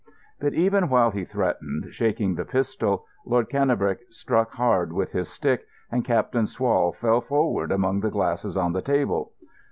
But even while he threatened, shaking the pistol, Lord Cannebrake struck hard with his stick and Captain Swall fell forward among the glasses on the table.